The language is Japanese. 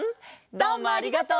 どうもありがとう！